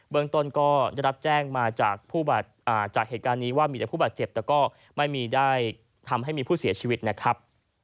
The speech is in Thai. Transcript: เมืองต้นก็ได้รับแจ้งมาจากเหตุการณ์นี้ว่ามีแต่ผู้บาดเจ็บแต่ก็ไม่มีได้ทำให้มีผู้เสียชีวิตนะครับ